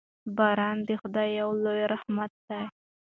باران د خدای یو لوی رحمت دی.